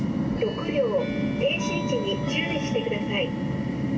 停止位置に注意してください。